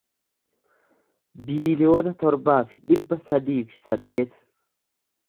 biiliyoona torbaa fi dhibba sadii fi saddeet